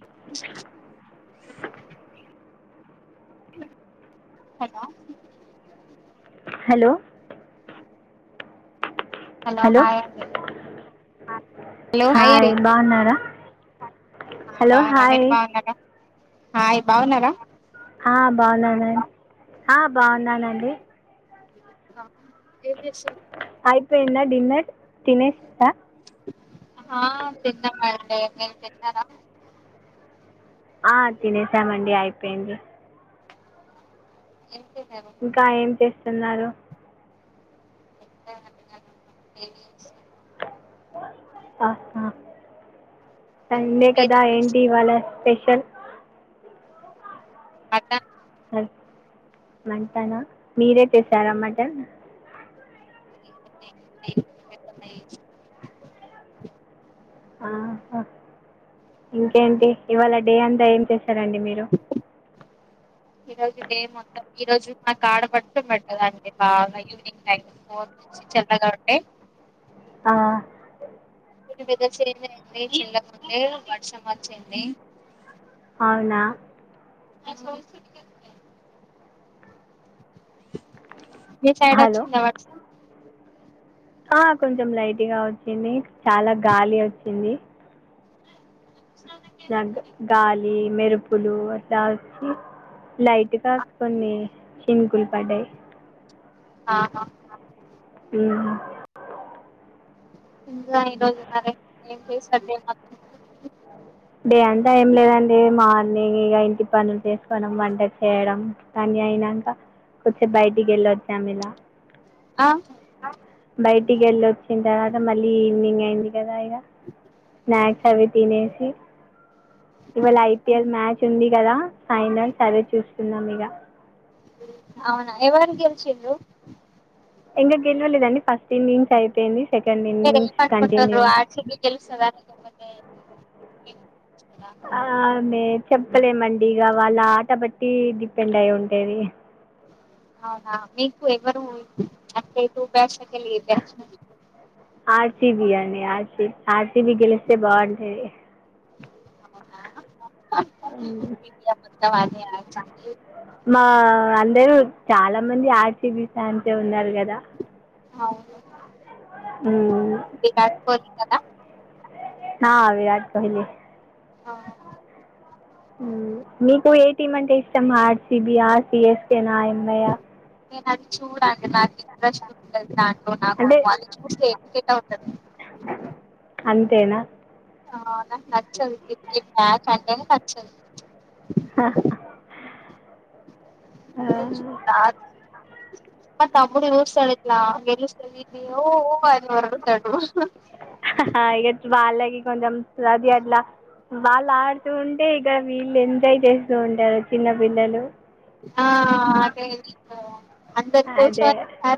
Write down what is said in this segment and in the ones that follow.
[inaudible] Hello hello hello hi అండి hello hi బాగున్నార ఆ బాగున్న మీరు బాగున్నార ఆ బాగున్నానండి ఆ బాగున్నానండి ఏం చేస్తున్నర్ అయిపోయింద డిన్నర్ దినేష్ సార్ ఆ తిన్నమండి మీరు తిన్నార ఆ తినేసామండి అయిపోయింది ఏం తిన్నారు ఇంక ఏం చేస్తున్నారు ఏం చేస్తున్నరు [unintelligible] ఆహ సండే కదా మీరేం ఏంటి ఇవాళ స్పెష్ షల్ అత వంటన మీరే చేశారా మటన్ [unintelligible] ఆహ ఇంకేంటి ఇవాళ డే అంతా ఏం చేస్ సరే అండి మీరు ఈ రోజు డే మొత్తం ఈ రోజు నా కాడ పట్టం పెట్టది అండి బాగా ఈవినింగ్ టైం లో చి చల్లాగ ఉంటె ఆ మీ వెదర్ చేంజ్ అయింది ఇంతకు ముందే వర్షం అచ్చింది. అవునా [inaudible] మీ సైడ్ హలో అచ్చిందా వర్షం ఆ కొంచెం లైట్గ ఒచ్చింది చాల గాలి ఒచ్చింది లైక్ గాలి మెరుపులు అట్ల ఒచ్చి [inaudible] లైట్ గ కొన్ని చినుకులు పడ్డయి ఆహ ఊమ్ ఇంకా ఈరోజు మరే ఏం చేసారు డే అంత [inaudible] డే అంత ఏం లేదండి మార్నింగ్ ఇగ ఇంటి పనులు చేసుకోడం వంట చేయడం కాని అయినంక కొచ్చేప్ బయటికి వెళ్ళచ్చాం ఇల ఆ బయటికి ఎళ్ళి ఒచ్చిన తర్వాత మళ్ళీ ఈవినింగ్ అయింది కద ఇగ స్నాక్స్ అవి తినేసి ఇవాళ ఐ. పీ ఎల్ మ్యాచ్ ఉంది కద ఫైనల్స్ అదే చూస్తున్నాం ఇగ అవున ఎవరు గెలిషిండ్రు ఇంక గెలవలేదండి ఫస్ట్ ఇన్నింగ్స్ అయిపోయింది సెకండ్ ఇన్నింగ్స్ కంటిన్యూ ఆస్ట్రేలియా గెలుస్తదా ఇండియా [unintelligible] ఆ మే చెప్పలేమండి ఇగ వాళ్ళ ఆట బట్టి డిపెండ్ అయి ఉంటది హ్ అవునా మీకు ఎవరు అయితే చలి బ సిబియాని ఆశీ ఆస్ట్రేలియా గెలిస్తే బాగుంటుంది అవునా మొత్త ఆ అందరూ చాలా మంది ఆర్ సి బి ఫాన్సే ఉన్నారు కదా అవును ఉ విరాట్ కోహ్లీ కదా హా విరాట్ కోహ్లీ అవును మీకు ఏ టీం అంటే ఇష్టం ఆర్సిబి ఆ సిఎస్కె నా ఎంఐ ఆ నేను అది చూడండి నాకు ఇంట్రెస్ట్ ఉండదు దాంట్లో నాకు అంటే వాళ్ళు చూస్తే ఇరిటేట్ అవుతది అంతేనా ఆ నాకు నచ్చదు క్రికెట్ మ్యాచ్ అంటేనే నచ్చదు హ హ తెజు తాత్ మా తమ్ముడు చూస్తాడిట్లా గెలుస్తది టీము ఉకే ఇట్లా ఒర్రుతాడు ఇగ వాళ్ళకి కొంచం అది అట్ల వాళ్ళు ఆడుతూ ఉంటే ఇక్కడ వీళ్ళు ఎంజాయ్ చేస్తూ ఉంటారు చిన్న పిల్లలు ఆ అదేదే వీళ్ళు అందరు అదే కోసారి ఆ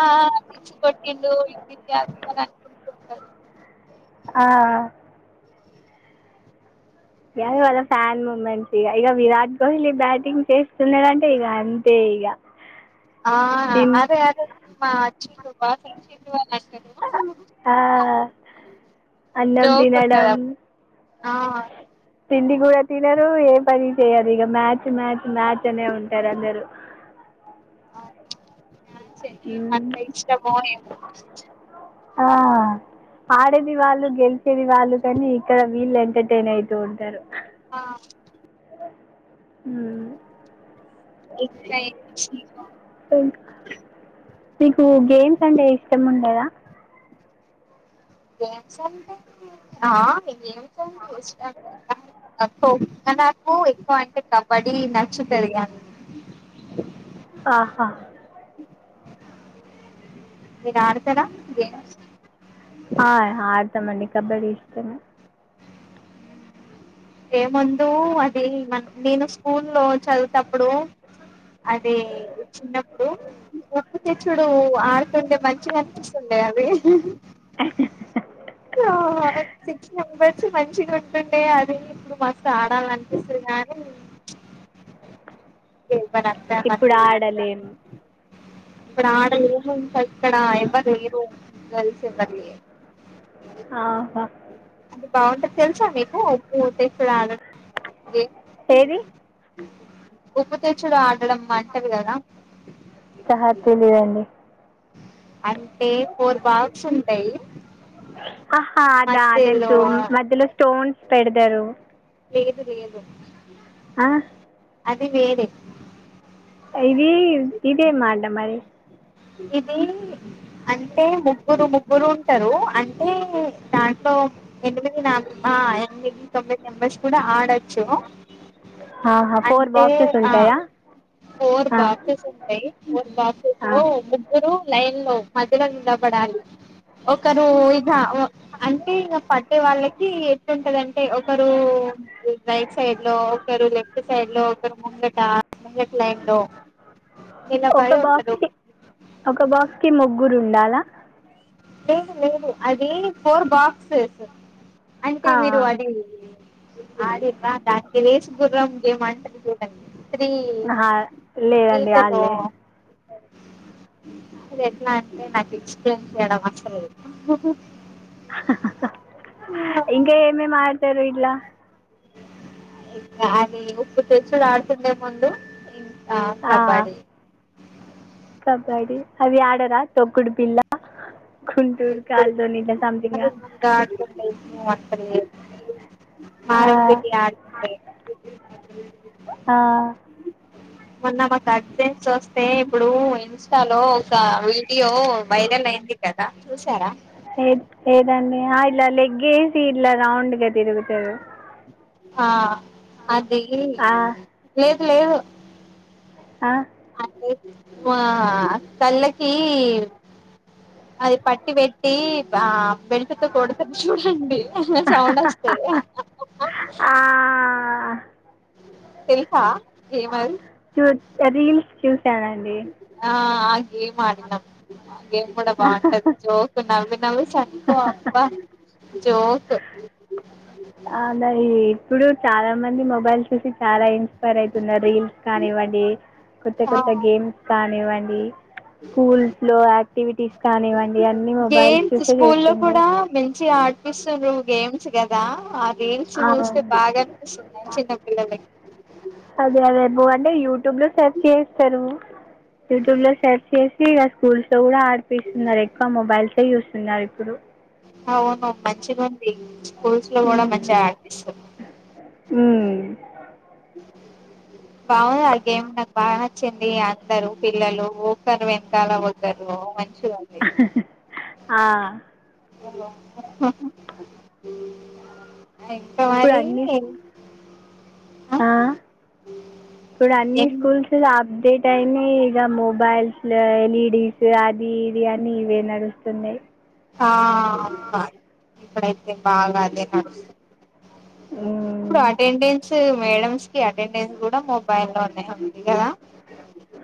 ఆ సిక్స్ కొటిండు ఇంది అ అని అనుకుంటూ ఉంటారు ఆ ఇగ వాళ్ళ ఫ్యాన్ మూమెంట్స్ ఇగ ఇగ విరాట్ కోహ్లీ బ్యాటింగ్ చేస్తున్నాడంటే ఇగ అంతే ఇగ ఆ అదె అదె మా అచ్చిండు బాస్ అచ్చిండు ఆ అన్నం జోక్ తినడం ఉంటది అప్పుడు. ఆ తిండి కూడా తినరు ఏ పని చేయదు ఇగ మ్యాచ్ మ్యాచ్ మ్యాచ్ అనే ఉంటారు అందరు ఉమ్. చేయిమంటే ఇష్టమో ఏమో ఆ ఆడేది వాళ్ళు గెలిచేది వాళ్ళు కానీ ఇక్కడ వీళ్ళు ఎంటర్టైన్ అయితూ ఉంటారు ఆ ఇంకా ఏంటి విశేషాలు మీకు గేమ్స్ అంటే ఇష్టం ఉండదా గేమ్స్ అంటే ఆ గేమ్స్ అంటే ఇష్టమే కాని నాక్ఖోఖో నాకు ఎక్కువ అంటే కబడ్డీ నచ్చుతది ఆహా మీరు ఆడతార గేమ్స్ ఆ ఆడతామండి కబడ్డి ఇష్టమే ఏ ముందు అది మన్ నేను స్కూలో చదువేతప్పుడు అదే చిన్నప్పుడు తె చుడు ఆడుతుండే మంచిగా అనిపిస్తుండే అవి సిక్స్ మెంబెర్స్ మంచిగా ఉంటుండే అది ఇప్పుడు మస్తు ఆడాలనిపిస్తుంది గాని ఓ [unintelligible] ఆడలేము ఇప్పుడు ఆడ ఇక్కడా ఎవరు లేరు కలిసే బర్లి ఆహా అ బాగుంటుంది తెలుసా మీకు ఉప్పు తెచ్చుడు ఆడడం ఏది ఉప్పుతెచ్చుడు ఆడడం అంటారు కదా సహా తెలియదండి అంటే ఫోర్ బాక్స్ ఉంటాయి ఆహా అదా మధ్యలో తెలుసు మధ్యలో స్టోన్స్ పెడతారు లేదు లేదు ఆ అది వేరే ఇది ఇదేం అట మరి ఇది అంటే ముగ్గురు ముగ్గురు ఉంటారు అంటే దాంట్లో ఎనిమిది నెం ఆ ఎనిమిది తోమిది మెంబర్స్ కూడా ఆడ చ్చు ఆహా ఫోర్ అంటే బాక్సెస్ ఆ ఉంటాయా ఫోర్ ఆ, బాక్సెస్ ఉంటాయి మూడు బాక్సెస్ ఆ. లో మూడు లైన్ లో మధ్యలో నిలబడాలి ఒకరు ఇక అంటే ఇక పట్టే వాళ్ళకి ఎట్ంటదింటే ఒకరు రైట్ సైడ్ లో ఒకరు లెఫ్ట్ సైడ్ లో ఒకరు ముంగట ముంగటి లైన్ లో ఒక నిలబడి ఉంటరు బాక్స్కి ఒక బాక్స్ కి ముగ్గురు ఉండాలా లేదు లేదు అది ఫోర్ బాక్స్ అంటే ఆ, మీరు ఆ. అది ఆడిర్రా దానికి రేసుగుర్రం గేమ్ అంటారు చూడండి త్రీ ఆహా, లేదండి త్రీతలో ఆడలే అ ఎట్లా అంటే నాకు ఎక్స్పీరియన్స్ చేయడం వస్తలేదు ఇంకా ఏమేం ఆడతారు ఇట్లా ఇకా అని ఉప్పు తెచ్చుడూ ఆడుతుండే ముందు ఆ కబడ్డీ కబడ్డీ అది ఆడరా తొక్కుడు బిల్లా కుంటుడు కాల్ తోని ఇలా సమ్ంతంగ్ గా ఆ దాకో మాత పెటి ఆడుంట ర్రంపీట్ ఆడతారు ఆ ఆ మొన్న మా కజిన్స్ వస్తే ఇప్పుడు ఇన్స్టాలో ఒక వీడియో వైరల్ అయింది కదా చూసారా ఏ ఏదండి ఇలా లెగ్ వేసి ఇలా రౌండ్గా తిరుగుతారు ఆ అది ఆ, లేదు లేదు ఆ. ఆ కళ్ళకి అది పట్టి పెట్టి ఆ బెల్టు తో కొడుతరు చూడండి సౌండ్ వస్తాయి ఆ తెలుసా గేమ్ అది చూ రీల్స్ చూసానండి ఆ ఆ గేమ్ ఆడినం గేమ్ కూడా బాంటది జోక్ నవ్ నువ్ చెప్పు అక్క జోక్ అలాయి ఇప్పుడు చాలా మంది మొబైల్ చూసి చాలా ఇన్ ఇన్స్పైర్ అయితున్నారు రీల్స్ కానివ్వండి కొత్త ఆ కొత్త గేమ్స్ కానివ్వండి స్కూల్స్ లో యాక్టివిటీస్ కానివ్వండి అన్ని మొబైల్స్ చూసే చేస్తున్నారు చిగా ఆడిపిస్తున్రు గేమ్స్ కదా రీల్స్ ఆ, చూస్తే బాగా అనిపిస్తున్నాయి చిన్నపిల్లలకి అదే అదే బో అంటే యూట్యూబ్ లో సెర్చ్ చేయిస్తరు యూట్యూబ్ లో సెర్చ్ చేసి ఇగ స్కూల్స్ లో కూడా ఆడిపిస్తున్నారు ఎక్కువ మొబైల్ చేయిస్తున్నారు ఇప్పుడు అవును మంచిగుంది స్కూల్స్ లో కూడా మ్మ్. మంచిగా ఆడ్పిస్తుర్రు మ్ బాగుంది ఆ గేమ్ నాకు బాగా నచ్చింది అందరు పిల్లలు ఒకరు వెనకాల ఓక్ కరు మంచిగుంది ఆ, ఇంత ఇప్పుడు మరీ అన్ని ఆ ఇప్పుడు అన్ని ఏం స్కూల్స్ గ అప్డేట్ అయినయ్ ఇక మొబ్ మొబైల్స్లో ఎల్ఈడీస్ అది ఇది అని ఇవే నడుస్తున్నాయి బాగ ఇక్కడైతే బాగా అదే నడుస్తు ఇప్పుడు ఉమ్, అటెండెన్స్ మేడమ్స్ కి అటెండెన్స్ కూడా మొబైల్ లోనే ఉంది కదా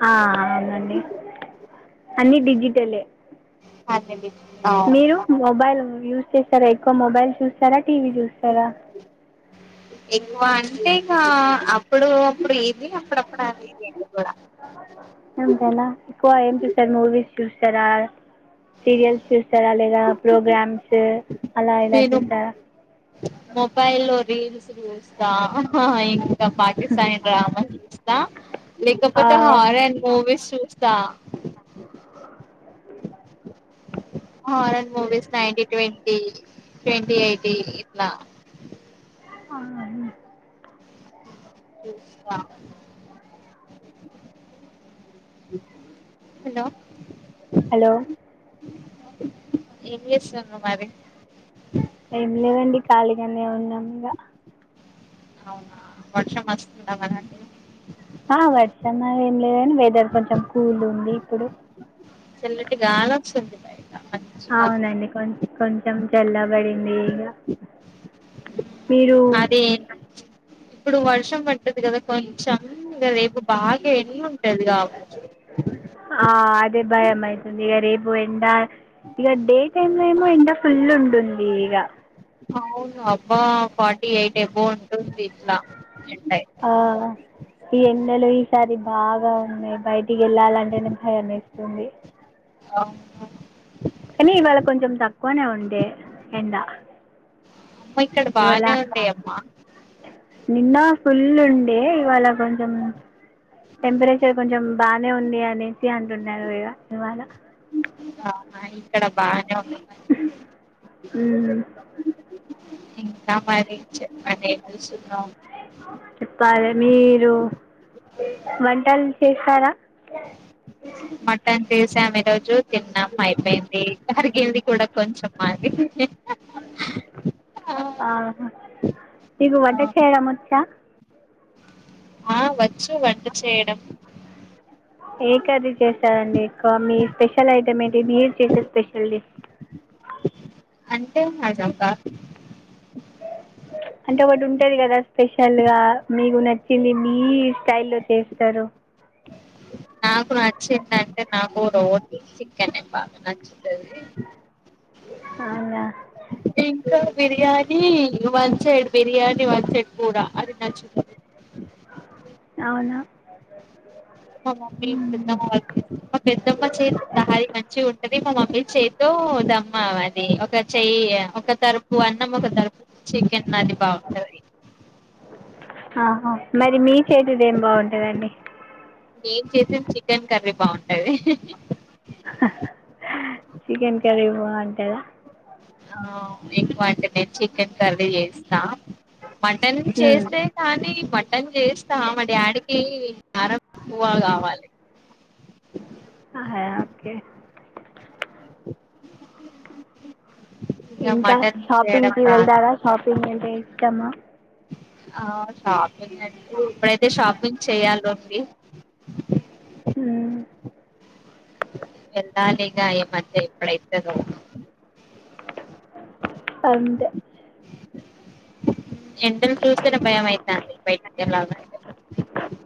ఆ అవునండి అన్ని డిజిటలే అదేలే మీరు మొబైల్ యూస్ చేస్తారా ఎక్కువ మొబైల్ చూస్తారా టీవీ చూస్తారా ఎక్కువ అంటే ఇంకా అప్పుడు అప్పుడు ఏది అప్పుడప్పుడు అది కూడా అంతేలే ఎక్కువ ఏం చూస్తారు మూవీస్ చూస్తారా సీరియల్స్ చూస్తారా లేదా ప్రోగ్రామ్స్ అలా ఇలా చూస్తారా మొబైల్ లో రీల్స్ చూస్తా ఇంకా పాకిస్తానీ డ్రామా చూస్ త ఆ, లేకపోతే హారర్ మూవీస్ చూస్తా horror movies ninety twenty twenty eighty ఇట్లా ఆహ చూస్తా హలో హలో ఎం చేస్తున్రు మరి ఏం లేవండి ఖాళీగానే ఉన్నాం ఇగ అవునా వర్షమస్తుందా మరటు ఆ వర్షం ఆలా ఏం లేదుగాని వెదర్ కొంచెం కూల్ ఉంది ఇప్పుడు చల్లటి గాలి వస్తుంది బయట మంచిగా అవునండి కొన్ కొంచెం చల్లబడి మీరు మీరు అది ఇప్పుడు వర్షం పడ్డది కదా కొంచెం ఇగ రేపు బాగా ఎన్ ఆ అదే భయమయ్తుంది ఇగ రేపు ఎండ ఇక డే టైమ్ లో ఏమో ఎండ ఫుల్ ఉంటుంది ఇగ అవును అబ్బా ఫార్టీ ఎయిట్ ఎబో ఉంటుంది ఇట్లా ఎండయి ఆ ఈ ఎండలు లు ఈసారి బాగా ఉన్నాయి బయట్ ఇంటికెళ్ళాలంటేనే భయమేస్తుంది అవును కానీ ఇవాళ కొంచెం తక్కువనే ఉండే ఎండ అమ్మ ఇక్కడ ఇవాళ బానే ఉండే అమ్మా నిన్న ఫుల్ ఉండే ఇవాళ కొంచెం టెంపరేచర్ కొంచెం బానే ఉంది అనేసి అంటున్నారు ఇగ ఇవాళ ఆ ఇక్కడ బానే ఉన్ ఉ ఇంకా మరి చె అదె చెప్పాలె మీరు వంటలు చేశారా ఆ చేశాం ఈరోజు తిన్నాం అయిపోయింది అరిగింది కూడా కొంచెం మాది ఆహ మీకు వంట చేయడం వచ్చా ఆ వచ్చు వంట చేయడం ఏ కర్రీ చేస్తారండి ఎక్కువ మీ స్పెషల్ ఐటమ్ ఏంటి మీరు చేసే స్పెషల్ డి అవు అంటే మజాకా అ అంటే ఒకటి ఉంటది కదా స్పెషల్ గా మీకు నచ్చింది మీ స్టైల్ లో చేస్తారు అ నాకు నచ్చిందంటె నాకు రోజ్ చికనే బాగా నచ్చుతది అవ్నా ఇంకా biryani one side biryani one side కూడా అది నచ్చుతది అవునా మా మొమ్మి మ్మ్. పెద్దమ్మ వాళ్ళ ఇన్ మా పెద్దమ్మ చేతి దహార మంచి ఉంటది మా మమ్మీ చేతో ద మామది ఒక చెయ్యి ఒక తరపు అన్నం ఒక తరపు చికెన్ అది బాగుంటది అహ మరి మీ చేతిది ఏం బాగుంటదండి నేను చేసిన చికెన్ కర్రీ బాగుంటది చికెన్ కర్రీ బాగుంటదా ఆ ఎక్కువ అంటే నేను చికెన్ కర్రీ చేస్తా మటన్ చేస్తే కానీ మ టన్ చేస్తా మా డ్యాడికి కి ఆరంకువ కావాలి అహ ఓకే ఇక ఇంకా మటన్ షాపింగ్ చేయడం కి రాదు వెళ్తావా షాపింగ్ అంటే ఇష్టమా ఆ షాపింగ్ అండి ఇప్పుడైతే షాపింగ్ చేయలోంది ఊ ఎల్లలింగ ఏమంటే ఇప్పుడైతదొ అంతే ఎండలు చూస్తే భయంమయితాంది బయటికి వెళ్ళాలంటే